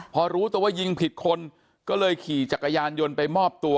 พอรู้ตัวว่ายิงผิดคนก็เลยขี่จักรยานยนต์ไปมอบตัว